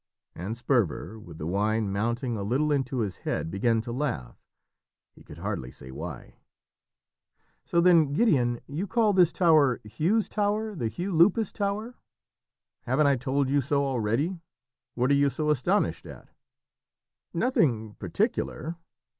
And Sperver, with the wine mounting a little into his head, began to laugh, he could hardly say why. "So then, Gideon, you call this tower, Hugh's tower the Hugh Lupus tower?" "Haven't I told you so already? What are you so astonished at?" "Nothing particular."